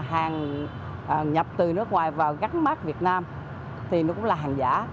hàng nhập từ nước ngoài vào gắn mát việt nam thì nó cũng là hàng giả